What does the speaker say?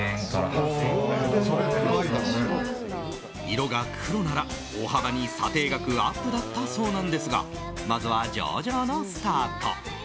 色が黒なら、大幅に査定額アップだったそうなんですがまずは上々のスタート。